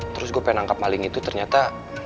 terus gue pengen nangkap maling itu ternyata